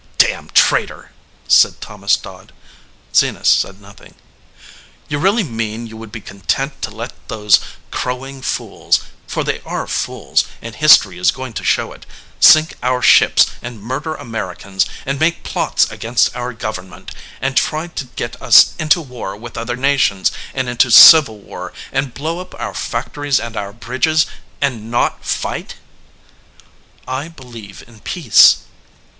"Damn traitor!" said Thomas Dodd. Zenas said nothing. "You really mean you would be content to let those crowing fools for they are fools, and his tory is going to show it sink our ships, and mur der Americans, and make plots against our gov ernment, and try to get us into war with other 221 EDGEWATER PEOPLE nations, and into civil war, and blow up our fac tories and our bridges and not fight?" "I believe in peace."